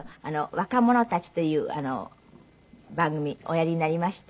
『若者たち』という番組おやりになりまして。